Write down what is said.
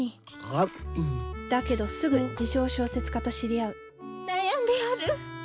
だけどすぐ自称小説家と知り合う悩んではる！